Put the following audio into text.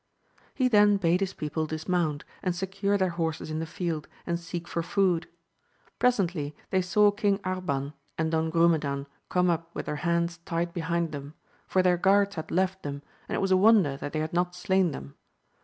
He then bade his people dismount, and secure their horses in the field, and seek for food. Presently they saw King Arban and Don Grumedan come up with their hands tied behind them ; for their guards had left them, and it was a wonder that they had not slain them.